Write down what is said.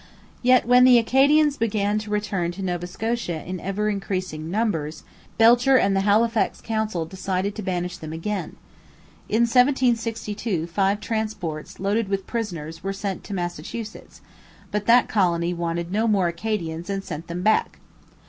Yet, when the Acadians began to return to Nova Scotia in ever increasing numbers, Belcher and the Halifax Council decided to banish them again. In 1762 five transports loaded with prisoners were sent to Massachusetts, but that colony wanted no more Acadians and sent them back.